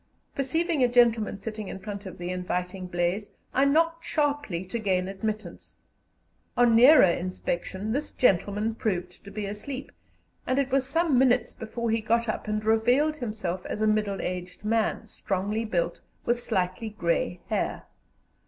Perceiving a gentleman sitting in front of the inviting blaze, I knocked sharply to gain admittance. On nearer inspection this gentleman proved to be asleep, and it was some minutes before he got up and revealed himself as a middle aged man, strongly built, with slightly grey hair.